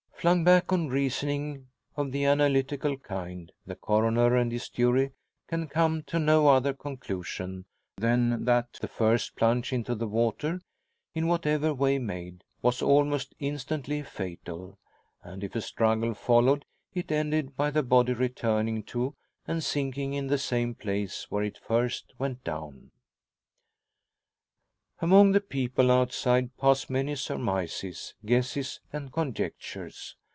Flung back on reasoning of the analytical kind, the Coroner and his jury can come to no other conclusion than that the first plunge into the water, in whatever way made, was almost instantly fatal; and if a struggle followed it ended by the body returning to, and sinking in the same place where it first went down. Among the people outside pass many surmises, guesses, and conjectures.